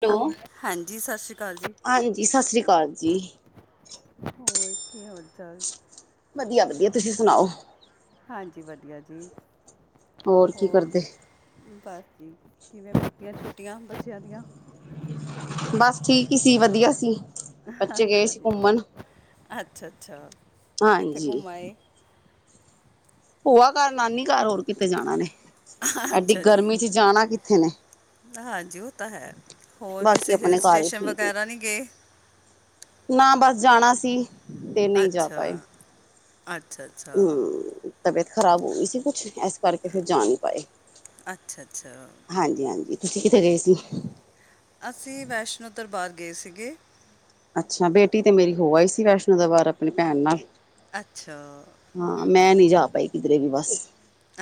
To, hello. ਹਾਂਜੀ ਸਤਿ ਸ਼੍ਰੀ ਅਕਾਲ ਜੀ ਹਾਂਜੀ ਸ਼ ਸ਼੍ਰੀ ਕਾਲ ਜੀ। ਹੋਰ ਕੀ ਹਾਲ ਚਾਲ? ਵਧੀਆ-ਵਧੀਆ ਤੁਸੀਂ ਸੁਣਾਓ? ਹਾਂਜੀ ਵਧੀਆ ਜੀ, ਕੀ ਹੋਰ ਕਰਦੇ ਬਸ ਜੀ ਕਿਵੇਂ ਬੀਤੀਆਂ ਛੁੱਟੀਆਂ ਬੱਚਿਆਂ ਦੀਆਂ। ਬਸ ਠੀਕ ਈ ਸੀ, ਵਧੀਆ ਸੀ ਬੱਚੇ ਗਏ ਸੀ ਘੁੰਮਣ। ਅੱਛਾ-ਅੱਛਾ। ਹਾਂਜੀ। ਭੂਆ ਘਰ, ਨਾਨੀ ਘਰ ਹੋਰ ਕਿਥੇ ਜਾਣਾ ਏਨੇ ਐਡੀ ਅੱਛਾ ਜੀ ਗਰਮੀ ਚ ਜਾਣਾ ਕਿੱਥੇ ਨੇ। ਹਾਂਜੀ ਓ ਤਾਂ ਹੈ ਹੋਰ ਬਾਕੀ ਕਿਸੇ ਹਿਲ ਆਪਣੇ ਘਰ ਹੀ ਸਟੇਸ਼ਨ ਠੀਕ ਨੇ। ਵਗੈਰਾ ਨੀ ਗੇ? ਨਾ ਬਸ ਜਾਣਾ ਸੀ। ਤੇ ਨਹੀਂ ਅੱਛਾ, ਅੱਛਾ-ਅੱਛਾ। ਹੂੰ ਤਬੀਅਤ ਖ਼ਰਾਬ ਹੋ ਗਈ ਸੀ ਕੁਛ ਐਸ ਕਰਕੇ ਫਿਰ ਜਾ ਨੀ ਪਾਏ। ਅੱਛਾ-ਅੱਛਾ। ਹਾਂਜੀ-ਹਾਂਜੀ ਤੁਸੀਂ ਕਿੱਥੇ ਗਏ ਸੀ? ਅਸੀਂ ਵੈਸ਼ਨੋ ਦਰਬਾਰ ਗਏ ਸੀਗੇ। ਅੱਛਾ, ਬੇਟੀ ਤੇ ਮੇਰੀ ਹੋ ਆਈ ਸੀ ਵੈਸ਼ਨੋ ਦਵਾਰ ਆਪਨੀ ਭੈਣ ਨਾਲ। ਅੱਛਾ। ਹਾਂ, ਮੈਂ ਨੀ ਜਾ ਪਾਈ ਕਿਦਰੇ ਵੀ ਬਸ।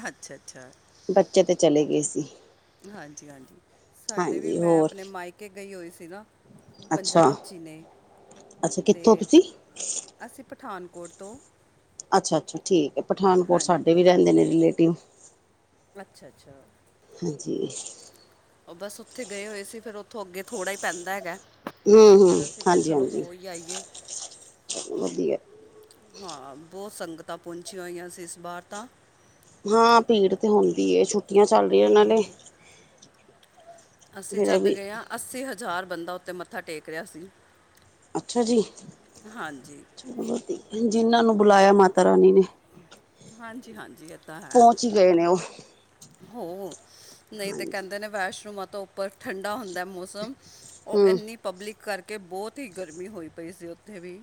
ਅੱਛਾ-ਅੱਛਾ। ਬੱਚੇ ਤੇ ਚਲੇ ਗਏ ਸੀ। ਹਾਂਜੀ-ਹਾਂਜੀ, ਸਾਡੇ ਵੀ ਹਾਂਜੀ ਮੈਂ ਹੋਰ ਆਪਣੇ ਮਾਇਕੇ ਗਈ ਹੋਈ ਸੀ ਨਾ। ਅੱਛਾ ਪੰਜਾਬ ਚੀ ਨੇ। ਅੱਛਾ ਤੇ ਕਿੱਥੋਂ ਤੁਸੀਂ ਅਸੀਂ ਪਠਾਨਕੋਟ ਤੋਂ। ਅੱਛਾ-ਅੱਛਾ ਠੀਕ ਐ, ਪਠਾਨਕੋਟ ਹਾਂਜੀ ਸਾਡੇ ਵੀ ਰੈਂਦੇ ਨੇ ਰਿਲੇਟਿਵ। ਅੱਛਾ-ਅੱਛਾ। ਹਾਂਜੀ। ਓ ਬਸ ਓਥੇ ਗਏ ਹੋਏ ਸੀ, ਫਿਰ ਓਥੋਂ ਅੱਗੇ ਥੋੜਾ ਈ ਪੈਂਦਾ ਹੈਗਾ। ਫੇਰ ਅਸੀਂ ਕਿਆ ਚਲੋ ਹੋ ਈ ਆਈਏ। ਚਲੋ ਵਦੀਆ। ਹਾਂ, ਬਹੁ ਸੰਗਤਾਂ ਪੌਂਚੀਆਂ ਹੋਈਆਂ ਸੀ ਇਸ ਬਾਰ ਤਾਂ। ਹਾਂ, ਭੀੜ ਤੇ ਹੁੰਦੀ ਏ ਛੁੱਟੀਆਂ ਚੱਲ ਰਈਆਂ ਨਾਲੇ। ਅਸੀਂ ਫਿਰ ਇਹ ਜਦ ਵੀ ਗਏ ਆਂ ਅੱਸੀ ਹਜ਼ਾਰ ਬੰਦਾ ਓਤੇ ਮੱਥਾ ਟੇਕ ਰਿਆ ਸੀ। ਅੱਛਾ ਜੀ, ਹਾਂਜੀ ਜਿਨਾਂ ਨੂੰ ਬੁਲਾਏਆ ਮਾਤਾ ਰਾਣੀ ਨੇ। ਹਾਂਜੀ-ਹਾਂਜੀ ਏ ਤਾਂ ਹੈ, ਪਹੁੰਚ ਹੀ ਗਏ ਨੇ ਉਹ ਹੋ ਨਈਂ ਤੇ ਹਾਂਜੀ ਕੈਂਦੇ ਨੇ ਵੈਸ਼ਨੋ ਮਾਤਾ ਉੱਪਰ ਠੰਡਾ ਹੁੰਦਾ ਮੌਸਮ, ਓ ਹਮ ਏਨੀ ਪਬਲਿਕ ਕਰਕੇ ਬੋਤ ਈ ਗਰਮੀ ਹੋਈ ਪਈ ਸੀ ਓਥੇ ਵੀ।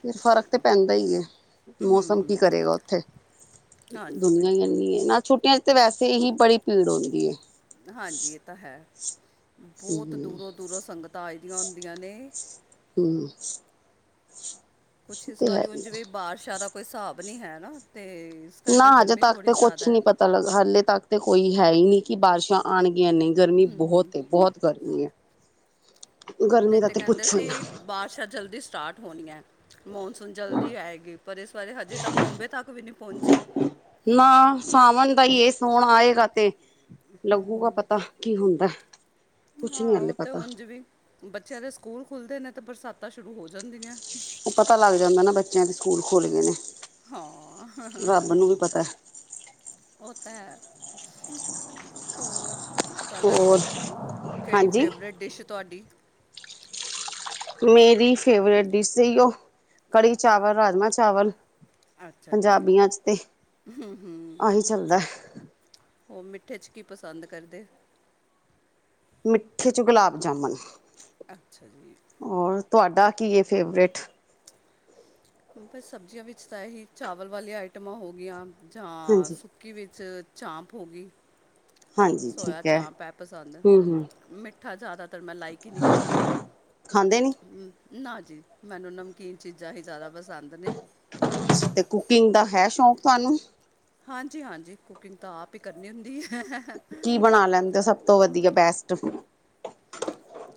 ਫਿਰ ਫ਼ਰਕ ਤਾਂ ਪੈਂਦਾ ਈ ਏ। ਮੌਸਮ ਕੀ ਕਰੇਗਾ ਓਥੇ, ਹਾਂਜੀ ਦੁਨੀਆਂ ਈ ਬਿਲਕੁਲ ਏਨੀ ਐ ਨਾ ਛੁੱਟੀਆਂ ਚ ਤੇ ਵੈਸੇ ਹੀ ਬੜੀ ਭੀੜ ਹੁੰਦੀ ਏ। ਹਾਂਜੀ ਏ ਤਾਂ ਹੈ, ਬੋਤ ਦੂਰੋਂ-ਦੂਰੋਂ ਸੰਗਤਾਂ ਆ ਜਾਈਦੀਆਂ ਹੁੰਦੀਆਂ ਨੇ। ਹੂੰ। ਕੁਛ ਇਸ ਵਾਰੀ ਹੁਨ ਹੀ ਜਿਵੇਂ ਬਾਰਸ਼ਾਂ ਦਾ ਕੋਈ ਸਾਬ ਨੀ ਐ ਨਾ ਤੇ ਇਸ ਨਾ ਕਰਕੇ ਅਜੇ ਗਰਮੀ ਤੱਕ ਥੋੜੀ ਤੇ ਜ਼ਿਆਦਾ ਕੁਛ ਹੈ ਨੀ ਪਤਾ ਲੱਗਾ ਹਲੇ ਤੱਕ ਤੇ ਕੋਈ ਹੈ ਈ ਨੀ ਕੀ ਬਾਰਸ਼ਾਂ ਆਨਗੀਆਂ ਨਈਂ ਗਰਮੀ ਬਹੋਤ ਏ ਬਹੋਤ ਗਰਮੀ ਐ। ਨਈਂ ਤਾਂ ਕੈਂਦੇ ਹੀ ਸੀ ਨਾ ਬਾਰਸ਼ਾਂ ਜਲਦੀ ਸਟਾਟ ਹੋਨੀ ਐ ਮੌਨਸੂਨ ਜਲਦੀ ਆਏਗੀ ਪਰ ਇਸ ਬਾਰੇ ਹਜੇ ਤਾਂ ਬੋਂਬੇ ਤੱਕ ਵੀ ਨੀ ਪੌਂਚੀ। ਨਾ ਸਾਵਨ ਦਾ ਈ ਏ ਸੋਨ ਆਏਗਾ ਤੇ ਲੱਗੂਗਾ ਪਤਾ ਕੀ ਹੁੰਦਾ, ਕੁਛ ਨੀ ਹਲੇ ਪਤਾ। ਬੱਚੇਆਂ ਦੇ ਸਕੂਲ ਖੁੱਲਦੇ ਨੇ ਤਾਂ ਬਰਸਾਤਾਂ ਸ਼ੁਰੂ ਹੋ ਜਾਂਦੀਆਂ। ਓ ਪਤਾ ਲੱਗ ਜਾਂਦਾ ਨਾ ਬੱਚੇਆਂ ਦੇ ਸਕੂਲ ਖੁਲ ਗਏ ਨੇ। ਰੱਬ ਨੂੰ ਵੀ ਪਤਾ ਹਾਂ। ਓ ਤਾ ਹੈ, ਹੋਰ ਤੁਆਡਾ ਕਿਰ, ਹੋਰ ਕੇੜੀ ਹਾਂਜੀ ਫੇਵਰੇਟ ਡਿਸ਼ ਐ ਤੁਆਡੀ। ਮੇਰੀ ਫੇਵਰੇਟ ਡਿਸ ਤੇ ਓ ਕੜੀ ਚਾਵਲ ਰਾਜਮਾਂ ਚਾਵਲ ਅੱਛਾ ਜੀ ਪੰਜਾਬੀਆਂ ਚ ਤੇ, ਆਹੀ ਚੱਲਦਾ। ਓ ਮਿੱਠੇ ਚ ਕੀ ਪਸੰਦ ਕਰਦੇ। ਮਿੱਠੇ ਚ ਗੁਲਾਬ ਜਾਮਨ, ਅੱਛਾ ਜੀ ਔਰ ਤੁਆਡਾ ਕੀ ਏ ਫੇਵਰੇਟ। ਬਸ ਸਬਜ਼ੀਆਂ ਵਿੱਚ ਤਾਂ ਏਹੀ ਚਾਵਲ ਵਾਲੀਆਂ ਆਈਟਮਾਂ ਹੋ ਗੀਆਂ ਜਾਂ ਹਾਂਜੀ ਸੁ ਸੁਕੀ ਵਿੱਚ ਚਾਂਪ ਹੋਗੀ, ਹਾਂਜੀ ਸੋਇਆ ਠੀਕ ਹੈ ਚਾਂਪ ਐ ਪਸੰਦ ਹਮ ਹੂੰ। ਹਮ ਮਿੱਠਾ ਜ਼ਿਆਦਾਤਰ ਮੈਂ ਲਾਈਕ ਹੀ ਨੀ ਕਰਦੀ। ਖਾਂਦੇ ਨੀ ਨਾ ਜੀ ਮੈਨੂੰ ਨਮਕੀਨ ਚੀਜ਼ਾਂ ਹੀ ਜ਼ਿਆਦਾ ਪਸੰਦ ਨੇ। ਤੇ ਕੁਕਿੰਗ ਦਾ ਹੈ ਸ਼ੌਕ ਤੁਹਾਨੂੰ? ਹਾਂਜੀ-ਹਾਂਜੀ ਕੁਕਿੰਗ ਤਾਂ ਆਪ ਹੀ ਕਰਨੀ ਹੁੰਦੀ ਹੈ। ਕੀ ਬਣਾ ਲੈਂਦੇ ਔ ਸਭ ਤੋਂ ਵਧੀਆ ਬੈਸਟ।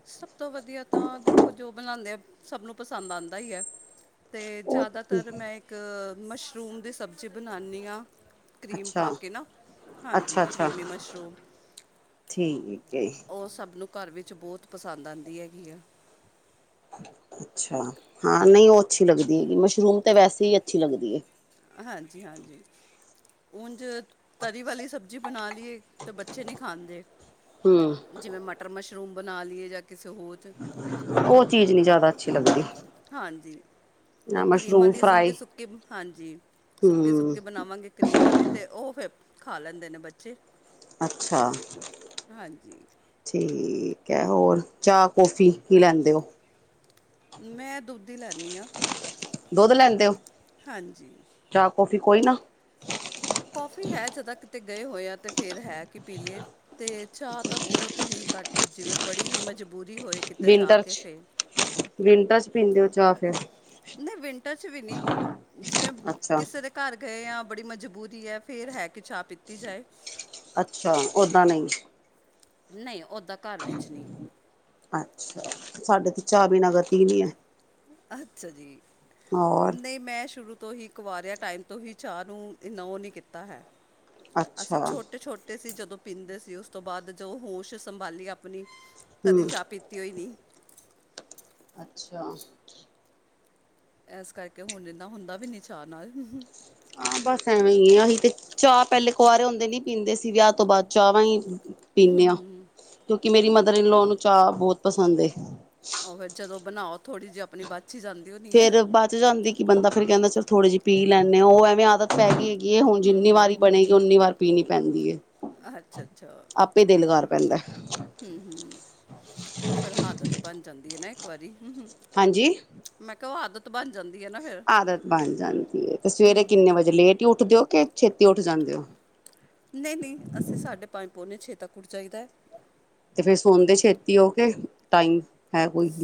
ਸਭ ਤੋਂ ਵਧੀਆ ਤਾਂ ਦੇਖੋ ਜੋ ਬਣਾਉਂਦੇ ਆ ਸਭ ਨੂੰ ਪਸੰਦ ਆਉਂਦਾ ਹੀ ਹੈ। ਤੇ ਉਹ ਜ਼ਿਆਦਾਤਰ ਮੈਂ ਇੱਕ ਮਸ਼ਰੂਮ ਦੀ ਸਬਜ਼ੀ ਬਣਾਨੀ ਆਂ। ਕਰੀਮ ਅੱਛਾ ਪਾ ਕੇ ਨਾ ਹਾਂਜੀ ਅੱਛਾ ਅੱਛਾ ਕਰੀਮੀ ਮਸ਼ਰੂਮ। ਠੀਕ ਏ। ਉਹ ਸਭ ਨੂੰ ਘਰ ਵਿੱਚ ਬਹੁਤ ਪਸੰਦ ਆਦੀ ਹੈਗੀ ਆ। ਅੱਛਾ, ਹਾਂ ਨਹੀਂ ਉਹ ਅੱਛੀ ਲੱਗਦੀ ਹੈਗੀ ਮਸ਼ਰੂਮ ਤੇ ਵੈਸੇ ਹੀ ਅੱਛੀ ਲੱਗਦੀ ਏ। ਹਾਂਜੀ-ਹਾਂਜੀ। ੳਝ ਤਰੀ ਵਾਲੀ ਸਬਜ਼ੀ ਬਣਾ ਲਈਏ ਤਾਂ ਬੱਚੇ ਨਹੀਂ ਖਾਂਦੇ। ਹਮ ਜਿਵੇਂ ਮਟਰ-ਮਸ਼ਰੂਮ ਬਣਾ ਲਈਏ ਜਾਂ ਕਿਸੇ ਹੋਰ ਚ ਉਹ ਚੀਜ਼ ਨੀ ਜਿਆਦਾ ਅੱਛੀ ਲੱਗਦੀ। ਹਾਂਜੀ। ਉਹ ਕਰੀਮ ਮਸ਼ਰੂਮ ਆਲੀ ਫਰਾਈ ਸੁੱਕੀ-ਸੁੱਕੀ, ਹਾਂਜੀ ਹਮ ਸੁੱਕੀ-ਸੁੱਕੀ ਬਣਾਵਾਂਗੀ ਕਰੀਮ ਵਾਲੀ ਤੇ ਉਹ ਫੇਰ ਖਾ ਲੈਂਦੇ ਨੇ ਬੱਚੇ। ਅੱਛਾ ਹਾਂਜੀ ਠੀਕ ਹੈ ਹੋਰ ਚਾਹ ਕੌਫੀ ਕੀ ਲੈਂਦੇ ਹੋ। ਮੈਂ ਦੁੱਧ ਹੀ ਲੈਣੀ ਆਂ। ਦੁੱਧ ਲੈਂਦੇ ਹੋ? ਹਾਂਜੀ। ਚਾਹ-ਕੌਫੀ ਕੋਈ ਨਾ। ਕੌਫੀ ਹੈ ਜਦਾਂ ਕਿਤੇ ਗਏ ਹੋਏ ਆ ਤੇ ਫੇਰ ਹੈ ਕਿ ਪੀਲੀ ਏ। ਤੇ ਚਾਹਅ ਤਾਂ ਬਹੁਤ ਹੀ ਘੱਟ ਜਿਵੇਂ ਬੜੀ ਹੀ ਮਜਬੂਰੀ ਹੋਏ ਕਿਤੇ ਜਾ ਵਿੰਟਰ ਕੇ ਚ ਫਿਰ ਵਿੰਟਰ ਪੀਂਦੇ ਹੋ ਚਾਹ ਫੇਰ। ਨਹੀਂ ਵਿੰਟਰ ਚ ਵੀ ਨਹੀਂ ਜਿਵੇਂ ਅੱਛਾ ਕਿਸੇ ਦੇ ਘਰ ਗਏ ਹਾਂ ਬੜੀ ਮਜ਼ਬੂਰੀ ਹੈ ਫੇਰ ਹੈ ਕਿ ਚਾਹ ਪੀਤੀ ਜਾਏ। ਅੱਛਾ ਓਦਾਂ ਨਹੀਂ। ਨਹੀਂ ਓਦਾਂ ਅੱਛਾ, ਸਾਡੇ ਤੇ ਚਾਹ ਬੀਨਾ ਗਤੀ ਨੀ ਹੈ। ਅੱਛਾ ਜੀ ਹੋਰ ਨਹੀਂ ਮੈਂ ਸ਼ੁਰੂ ਤੋਂ ਹੀ ਕੁਵਾਰਿਆ ਟਾਈਮ ਤੋਂ ਹੀ ਚਾਹ ਨੂੰ ਇੰਨਾ ਉਹ ਨਹੀਂ ਕੀਤਾ ਹੈ। ਅੱਛਾ ਅਸੀਂ ਛੋਟੇ ਛੋਟੇ ਸੀ ਜਦੋਂ ਪੀਂਦੇ ਸੀ ਉਸ ਤੋਂ ਬਾਅਦ ਜਦੋਂ ਹੋਸ਼ ਸੰਭਾਲੀ ਆਪਣੀ ਕਦੇ ਹਮ ਚਾਹ ਪੀਤੀ ਹੋਈ ਨੀ। ਅੱਛਾ। ਇਸ ਕਰਕੇ ਹੁਣ ਏਨਾ ਹੁੰਦਾ ਵੀ ਨੀ ਚਾਅ ਨਾਲ। ਆ ਬਸ ਐਵੇਂ ਹੀ ਏ ਆਸੀ ਤੇ ਚਾਹ ਪਹਿਲੇ ਕੁਆਰੇ ਹੁੰਦੇ ਨੀ ਪੀਂਦੇ ਸੀ ਵਿਆਹ ਤੋਂ ਬਾਅਦ ਚਾਹਵਾਂ ਹੀ। ਪੀਂਣੇ ਹਾਂ ਕਿਉਂਕਿ ਮੇਰੀ ਮਦਰ ਇਨਲੋ ਨੂੰ ਚਾਹ ਬਹੁਤ ਪਸੰਦ ਏ। ਉਹ ਫਿਰ ਜਦੋਂ ਬਣਾਓ ਥੋੜ੍ਹੀ ਜਿਹੀ ਆਪਣੀ ਬਚ ਹੀ ਜਾਂਦੀ ਹੋਣੀ ਹੈ ਫੇਰ ਬਾਅਚ ਜਾਂਦੀ ਕਿ ਬੰਦਾ ਫੇਰ ਕਹਿੰਦਾ ਚੱਲ ਥੋੜੇ ਜਿ ਪੀ ਲੈਂਣੇ। ਉਹ ਐਵੇਂ ਆਦਤ ਪੈ ਗਈ ਹੈਗੀ ਹੁਣ ਜਿੰਨੀ ਵਾਰ ਬਣੇਗੀ ਉਓਨੀ ਵਾਰ ਪੀਣੀ ਪੈਂਦੀ ਏ ਅੱਛਾ ਤੇ ਦਿਲ ਕਰ ਪੈਂਦਾ। ਹੂੰ- ਹੂੰ ਉਹ ਫੇਰ ਹਾਦਤ ਬਣ ਜਾਂਦੀ ਐ ਨਾ ਇੱਕ ਵਾਰੀ ਹੂ ਹਾਂਜੀ ਮੈਂ ਕਿਹਾ ਓ ਆਦ -ਤ ਬਣ ਜਾਂਦੀ ਐ ਨਾ। ਫਿਰ ਆਦਤ ਬਣ ਜਾਂਦੀ ਏ, ਤੇ ਸਵੇਰੇ ਕਿੰਨੇ ਵਜੇ ਲੇਟ ਈ ਉੱਠ ਦੇ ਓ ਕਿ ਛੇਤੀ ਉੱਠ ਜਾਂਦੇ ਓ। ਨਈ- ਨਈ ਅਸੀਂ ਸਾਢੇ ਪੰਜ ਪੌਨੇ ਛੇ ਤੱਕ ਉੱਠ ਜਾਈਦਾ ਐ। ਤੇ ਫੇਰ ਸੋਦੇ ਛੇਤੀ ਹੋਓਗੇ ਟਾਇਮ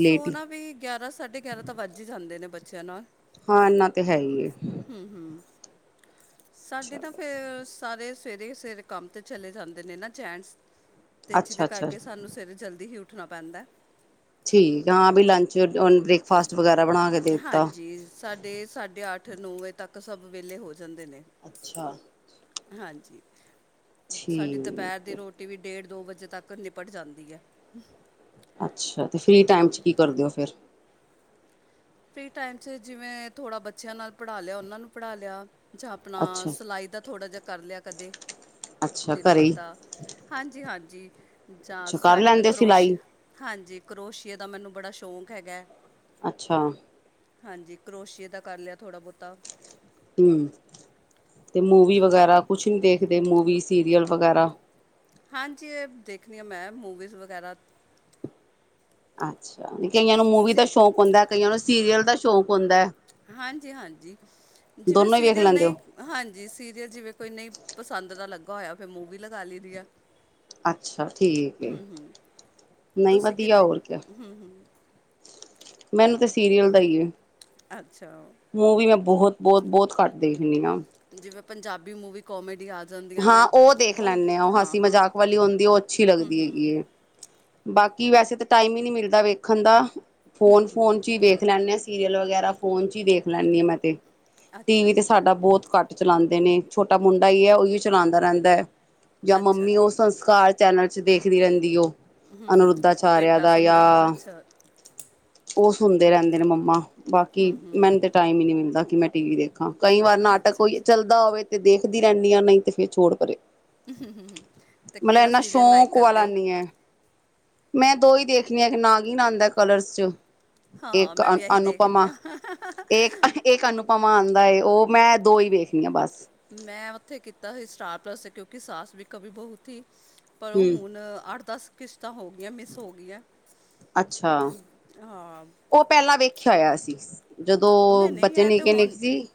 ਸੋਣਾ ਵੀ ਗਿਆਰਾਂ ਸਾਢੇ ਗਿਆਰਾਂ ਤਾਂ ਵੱਜ ਈ ਜਾਂਦੇ ਨੇ ਬੱਚਿਆਂ ਨਾਲ। ਹਾਂ ਅਨਾਂ ਤਾਂ ਹੈ ਈ ਏ। ਹੂੰ- ਹੂੰ ਸਾਡੇ ਤਾਂ ਚਲੋ ਫੇਰ ਸਾਰੇ ਸਵੇਰੇ ਈ ਸਵੇਰ ਕੰਮ 'ਤੇ ਚਲੇ ਜਾਂਦੇ ਨੇ ਨਾ ਜੈਨਟਸ। ਤੇ ਅੱਛਾ ਜਿਹਦੇ ਅੱਛਾ ਕਰਕੇ ਸਾਨੂੰ ਸਵੇਰੇ ਜਲਦੀ ਹੀ ਉੱਠਣਾ ਪੈਂਦਾ। ਠੀਕ ਆ, ਹਾਂ ਬੀ ਲੰਚ ਓਨ ਬ੍ਰੇਕ ਫਾਸਟ ਵਗੈਰਾ ਬਣਾ ਕੇ ਦੇ ਦਿੱਤਾ ਹਾਂਜੀ ਸਾਡੇ ਸਾਢੇ ਅੱਠ ਨੌ ਵਜੇ ਤੱਕ ਸਭ ਵਿਹਲੇ ਹੋ ਜਾਂਦੇ ਨੇ। ਅੱਛਾ। ਹਾਂਜੀ, ਸਾਡੀ ਠੀਕ ਦੁਪਹਿਰ ਦੀ ਰੋਟ -ਟੀ ਵੀ ਡੇਢ ਦੋ ਵਜੇ ਤੱਕ ਨਿਪਟ ਜਾਂਦੀ ਐ। ਅੱਛਾ, ਤੇ ਫਰੀ ਟਾਈਮ 'ਚ ਕੀ ਕਰਦੇ ਓ ਫਿਰ ਫਰੀ ਟਾਇਮ 'ਚ ਜਿਵੇਂ ਥੋੜ੍ਹਾ ਬੱਚਿਆਂ ਨਾਲ ਪੜ੍ਹਾਂ ਲ਼ਿਆ, ਉਹਨਾਂ ਨੂੰ ਪੜ੍ਹਾਂ ਲ਼ਿਆ। ਜਾਂ ਆਪਣਾ ਅੱਛਾ ਸਿਲਾਈ ਦਾ ਥੋੜਾਂ ਜਾ ਕਰ ਲ਼ਿਆ ਕਦੇ, ਅੱਛਾ ਦਿਲ ਘਰੇ ਹੀ ਕੀਤਾ। ਹਾਂਜੀ- ਹਾਂਜੀ ਜਾਂ ਅੱਛਾ ਕਰ ਸਵੈਟਰ ਲੈਂਦੇ ਕਰੋਸ਼ ਸਿਲਾਈ ਹਾਂਜੀ ਕਰੋਸ਼ੀਏ ਦਾ ਮੈਨੂੰ ਬੜਾ ਸ਼ੌਕ ਹੈਗਾ। ਅੱਛਾ। ਹਾਂਜੀ, ਕਰੋਸ਼ੀਏ ਦਾ ਕਰ ਲਿਆ ਥੋੜਾਂ ਬਹੁਤਾ। ਹੂੰ ਤੇ ਮੂਵੀ ਤ ਵਗੈਰਾ ਕੁੱਛ ਨੀਂ ਦੇਖਦੇ, ਮੂਵੀ ਸੀਰੀਅਲ ਵਗ਼ੈਰਾ। ਹਾਂਜੀ, ਏ ਦੇਖਣੀ ਆ ਮੈਂ ਮੂਵੀਜ਼ ਵਗੈਰਾ। ਅੱਛਾ, ਤੇ ਕਈਆਂ ਨੂੰ ਮੂਵੀ ਦਾ ਸੀ ਸ਼ੌਕ ਹੁੰਦਾ ਕਈਆਂ ਨੂੰ ਸੀਰੀਅਲ ਦਾ ਸ਼ੌਕ ਹੁੰਦਾ ਐ। ਹਾਂਜੀ- ਹਾਂਜੀ ਜਿਵੇਂ ਹੀ ਵੇਖ ਸੀਰੀਅਲ ਲੈਂਦੇ ਹੋ ਨਈ ਹਾਂਜੀ ਸੀਰੀਅਲ ਜਿਵੇਂ ਕੋਈ ਨਹੀਂ ਪਸੰਦ ਦਾ ਲੱਗਾ ਹੋਇਆਂ, ਫਿਰ ਮੂਵੀ ਲਗਾ ਲਈਦੀ ਆ। ਅੱਛਾ ਠੀਕ ਏ, ਨਹੀਂ ਤੁਸੀਂ ਵਧੀਆ ਕਿੱਦਾਂ ਹੋਰ ਕਿਆ ਹੂੰ ਮੈਨੂੰ ਤੇ ਸੀਰੀਅਲ ਦਾ ਈ ਏ। ਅੱਛਾ। ਮੂੰਵ ਵੀ ਮੈਂ ਬਹੁਤ- ਬਹੁਤ- ਬਹੁਤ ਘੱਟ ਦੇਖਦੀ ਆ। ਜਿਵੇਂ ਪੰਜਾਬੀ ਮੂਵੀ ਕੋਮੇਡੀ ਆ ਜਾਂਦੀਆਂ ਹਾਂ ਨੇ ਉਹ ਦੇਖ ਲੇਨੇ ਆ, ਉਹ ਹਾਂ ਹਸੀ ਹਾਂ ਮਜ਼ਾਕ ਵਾਲੀ ਹੁੰਦੀ ਉਹ ਅੱਛੀ ਲੱਗਦੀ ਹੈਗੀ ਏ। ਬਾਕੀ ਵੈਸੇ ਤਾਂ ਟਾਇਮ ਹੀ ਨੀ ਮਿਲ਼ਦਾ ਵੇਖਣ ਦਾ, ਫੋਨ- ਫੋਨ ਚ ਈ ਦੇਖ ਲੈਂਦੇ ਅਸ ਸੀਰੀਅਲ ਵਗੈਰਾ ਫੋਨ ਚ ਈ ਦੇਖ ਲੈਂਨੀ ਆ ਮੈਂ ਤੇ, ਟੀ ਅੱਛਾ ਵੀ ਤੇ ਜੀ ਸਾਡਾ ਬਹੁਤ ਘੱਟ ਚਲਾਂਦੇ ਨੇ ਛੋਟਾ ਮੁੰਡਾ ਈ ਏ ਉਈਓ ਚਲਾਂਦਾ ਰਹਿੰਦਾ ਐ, ਜਾਂ ਅੱਛਾ ਮੰਮੀ ਉਹ ਜੀ ਸੰਸਕਾਰ ਚੈਨਲ ਚ ਦੇਖਦੀ ਰਹਿੰਦੀ ਐ, ਹੂੰ ਉਹ ਅਨੁਰੁੱਧਾਚਾਰਿਆ ਭੇਟਾ ਦਾ ਸੁਣਦੇ ਜਾਂ ਅੱਛਾ ਉਹ ਸੁਣਦੇ ਰਹਿੰਦੇ ਨੇ ਮੰਮਾ, ਬਾਕੀ ਮੈਨੂੰ ਤੇ ਟਾਇਮ ਹੀ ਨੀਂ ਮਿਲਦਾ ਕਿ ਮੈਂ ਟੀ ਵੀ ਦੇਖਾਂ, ਕਈ ਵਾਰ ਨਾਟਕ ਅੱਛਾ ਕੋਈ ਜੀ ਚੱਲਦਾ ਹੋਵੇ ਤੇ ਦੇਖਦੀ ਰਹਿੰਦੀ ਆ ਨਈ ਤੇ ਫਿਰ ਛੋੜ ਭਰੇ, ਅਤੇ ਮਤਲਬ ਕਿਹੜਾ ਐਨਾਂ ਸੀਰੀਅਲ ਲਾਈਕ ਸ਼ੌਕ ਕਰਦੇ ਵਾਲਾ ਹੋ ਨੀ ਐ। ਮੈਂ ਦੋ ਹੀ ਦੇਖਣੀ ਆ ਇੱਕ ਨਾਗੀਨ ਆਂਦਾ ਕਲਰਸ ਚ ਹਾਂ ਇੱਕ ਮੈਂ ਅ ਵੀ ਇਹੀ ਦੇਖਦੀ ਅਨੁਪਮਾ ਹਾਂ ਇੱਕ ਅਨੁਪ ਪਮਾ ਆਂਦਾ ਏ, ਉਹ ਮੈਂ ਦੋ ਈ ਵੇਖਣੀ ਆ ਬਸ। ਮੈਂ ਉੱਥੇ ਕੀਤਾ ਸੀ ਸਟਾਰ ਪਲੱਸ ਕਿਉਂਕਿ ਸਾਸ ਵੀ ਕਵੀ ਬਹੂ ਧੀ ਪਰ ਉਹ ਹਮ ਹੁਣ ਅੱਠ ਦਸ ਕਿਸ਼ਤਾਂ ਹੋ ਗਈਆਂ ਮਿਸ ਹੋ ਗਈਆਂ ਅੱਛਾ, ਹਾਂ ਉਹ ਪਹਿਲਾਂ ਵੇਖਿਆ ਹੋਇਆ ਸੀ। ਜਦੋਂ ਨਈ, ਨਈ ਬੱਚੇ ਐ ਤੇ ਨਿੱਕੇ ਹੁਣ ਨਿੱਕੇ ਸੀ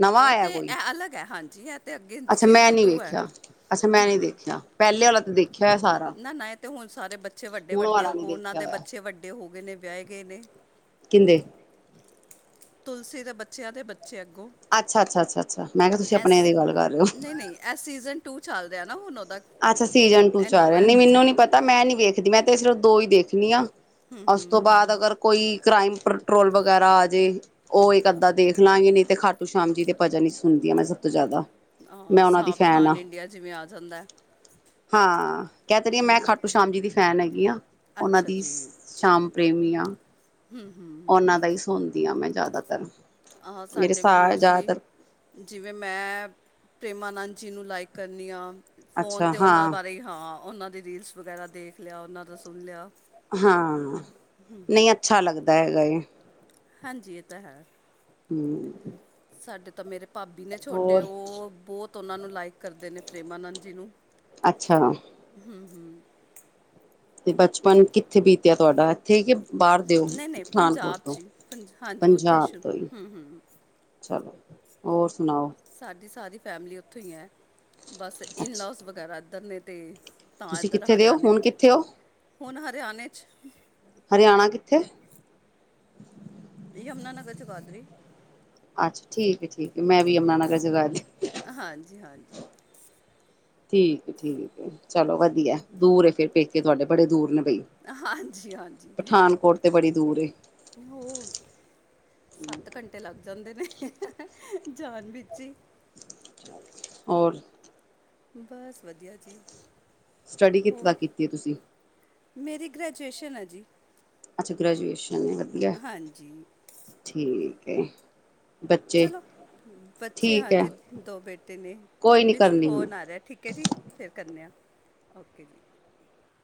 ਨਵਾਂ ਉਹ ਆਇਆ ਤੇ ਕੋਈ ਐਹ ਅਲੱਗ ਐ ਹਾਂਜੀ ਐ ਤੇ ਅੱਗੇ ਅੱਛਾ ਮੈਂ ਸੀਜ਼ਨ ਨੀ ਟੂ ਐ। ਵੇਖਿਆ ਅੱਛਾ ਮੈਂ ਹੂੰ, ਨੀ ਹੂੰ ਦੇਖਿਆ ਪਹਿਲੇ ਵਾਲਾ ਤੇ ਦੇਖਿਆ ਹੋਇਆ ਸਾਰਾ ਨਾ ਨਾ ਇਹ ਤੇ ਹੁਣ ਸਾਰੇ ਬੱਚੇ ਵੱਡ ਡੇ ਹੁਣ ਵੱਡੇ ਵਾਲਾ ਨੀ ਹੋਗੋਂ ਉਹਨਾਂ ਦੇਖਿਆ ਦੇ ਹੋਇਆ ਬੱਚੇ ਵੱਡੇ ਹੋ ਗਏ ਨੇ ਵਿਆਹੇ ਗਏ ਨੇ ਕਿਦੇ ਤੁਲਸੀ ਦੇ ਬੱਚਿਆਂ ਦੇ ਬੱਚੇ ਅੱਗੋਂ ਅੱਛਾ, ਅੱਛਾ, ਅੱਛਾ, ਅੱਛਾ ਮੈਂ ਕਿਹਾ ਤੁਸੀਂ ਐਸ ਆਪਣੇ ਦੀ ਗੱਲ ਕਰ ਰਹੇ ਹੋ ਨਹੀਂ ਨਹੀਂ ਐ ਸੀਜ਼ਨ ਟੂ ਚੱਲ ਰਿਹਾ ਨਾ ਹੁਣ ਉਹ ਦ ਅੱਛਾ ਸੀਜਨ ਟੂ ਚ ਆ ਰਿਹਾ ਨਈ ਮੈਨੂੰ ਨੀ ਪਤਾ ਮੈਂ ਨੀ ਵੇਖਦੀ ਮੈਂ ਤੇ ਸਿਰਫ ਦੋ ਹੀ ਵੇਖਣੀ ਆ ਉਸ ਤੋਂ ਬਾਅਦ ਅਗਰ ਕੋਈ ਕ੍ਰਾਈਮ ਪੈਟਰੋਲ ਵਗੈਰਾ ਆ ਜੇ ਉਹ ਇਕ ਅੱਧਾ ਦੇਖ ਲਾਂਗੇ ਨੀ ਤੇ ਖਾਟੂ ਸ਼ਾਮ ਜੀ ਦੀ ਭਜਨ ਹੀ ਸੁਣਦੀਆਂ ਮੈਂ ਸ ਹਾਂ ਸਾਵਧਾਨ ਇੰਡੀਆ ਜਿਵੇਂ ਆ ਜਾਂਦਾ ਹਾਂ ਕਹਿ ਤੇ ਰਹੀ ਆ ਮੈਂ ਖਾਟੂ ਸ਼ਾਮ ਜੀ ਦੀ ਫੈਨ ਹੈਗੀ ਆ ਉਹਨਾਂ ਅੱਛਾ ਦੀ ਜੀ ਸ਼ਾਮ ਪ੍ਰੇਮੀ ਆਂ ਉਹਨਾਂ ਦਾ ਹੀ ਸੁਣਦੀ ਆ ਮੈਂ ਜ਼ਿਆਦਾਤਰ ਆਹ ਮੇਰੇ ਸਾਡੇ ਵੀ ਸਾਰ ਮੋਸਟਲੀ ਜ਼ਿਆਦਾਤਰ ਜਿਵੇਂ ਮੈਂ ਪ੍ਰੇਮਾਨੰਦ ਜੀ ਨੂੰ ਲਾਈਕ ਕਰਨੀ ਆ ਫੋਨ ਅੱਛਾ ਤੇ ਉਹਨਾਂ ਹਾਂ ਬਾਰੇ ਹਾਂ ਉਹਨਾਂ ਦੀ ਰੀਲਸ ਵਗੈਰਾ ਦੇਖ ਲਿਆ ਉਹਨਾਂ ਦਾ ਸੁਣ ਲਿਆ ਹਾਂ, ਨਈ ਅੱਛਾ ਲੱਗਦਾ ਹੈਗਾ ਏ। ਹਾਂਜੀ ਇਹ ਤਾਂ ਹੈ ਹੂੰ ਸਾਡੇ ਤਾਂ ਮੇਰੇ ਭਾਬੀ ਨੇ ਛੋਟੇ ਉਹ ਬਹੁਤ ਉਹਨਾਂ ਨੂੰ ਲਾਈਕ ਕਰਦੇ ਨੇ ਪ੍ਰੇਮਾਨੰਦ ਜੀ ਨੂੰ ਅੱਛਾ ਹੂੰ, ਹੂੰ ਤੇ ਬਚਪਨ ਕਿੱਥੇ ਬੀਤਿਆ ਤੁਹਾਡਾ ਇੱਥੇ ਕਿ ਬਾਹਰ [unintelligible] ਨਹੀਂ ਨਹੀਂ ਪਠਾਨਕੋਟ ਪੰਜਾਬ ਤੋਂ 'ਚ ਹੀ, ਪੰਜ ਹਾਂਜੀ ਉੱਥੇ ਪੰਜਾਬ ਸ਼ੁ ਤੋਂ ਹੀ ਚਲੋ ਹੋਰ ਸੁਣਾਓ ਸਾਡੀ ਸਾਰੀ ਫੈਮਲੀ ਉੱਥੋਂ ਹੀ ਐ ਬਸ ਇਨਲੌਸ ਅੱਛਾ ਵਗੈਰਾ ਇੱਧਰ ਨੇ ਤੇ ਤਾਂ ਤੁਸੀਂ ਇੱਧਰ ਕਿੱਥੇ ਦੇ ਹੋ ਹਰਿਆਣੇ, ਹੁਣ ਕਿੱਥੇ ਹੋ ਹੁਣ ਹਰਿਆਣੇ ਚ ਹਰਿਆਣਾ ਕਿੱਥੇ ਯਮਨਾਨਗਰ ਜਗਾਧਰੀ ਅੱਛਾ ਠੀਕ ਐ ਠੀਕ ਐ ਮੈ ਵੀ ਯਮਨਾਨਗਰ ਜਗਾਧਰੀ। ਹਾਂਜੀ- ਹਾਂਜੀ ਠੀਕ ਏ ਠੀਕ ਏ ਚਲੋ ਵਧੀਆ ਦੂਰ ਏ ਫੇਰ ਪੇਕੇ ਤੁਹਾਡੇ ਬੜੇ ਦੂਰ ਨੇ ਬਈ। ਹਾਂਜੀ, ਪਠਾਨਕੋਟ ਤੇ ਬੜੀ ਦੂਰ ਏ। ਹੋਰ ਸੱਤ ਘੰਟੇ ਲਗ ਜਾਂਦੇ ਨੇ ਜਾਣ ਵਿੱਚ ਹੀ। ਹੋਰ ਬਸ ਵਧੀਆ ਜੀ। ਸਟੱਡੀ ਕਿਥੇ ਹੋਰ ਤੱਕ ਕੀਤੀ ਐ ਤੁਸੀ। ਮੇਰੀ ਗ੍ਰੈਜੂਏਸ਼ਨ ਐ ਜੀ। ਅੱਛਾ ਗ੍ਰੈਜੂਏਸ਼ਨ ਏ ਵਧੀਆ ਹਾਂਜੀ ਠੀਕ ਐ। ਚਲੋ ਬੱਚੇ ਏ ਹਾਂਜੀ ਦੋ ਬੇਟੇ ਨੇ ਕੋਈ ਨੀ ਵਿੱਚ ਕਰਨੀ ਮੈਂ ਫ਼ੋਨ ਆ ਰਿਹਾ ਠੀਕ ਐ ਜੀ। ਫਿਰ ਕਰਨੇ ਆ ਓਕੇ ਜੀ।